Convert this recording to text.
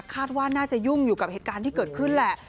คาดว่าน่าจะยุ่งอยู่กับเหตุการณ์ที่เกิดขึ้นแหละ